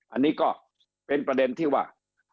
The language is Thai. อันนี้ก็เป็นประเด็นที่ว่า